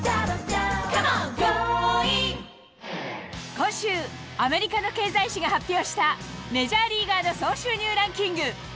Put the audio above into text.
今週、アメリカの経済誌が発表した、メジャーリーガーの総収入ランキング。